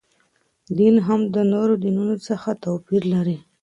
دین هم د نورو دینونو څخه توپیر لري.